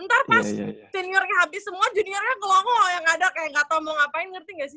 ntar pas seniornya habis semua juniornya kelong long yang ada kayak nggak tau mau ngapain ngerti nggak sih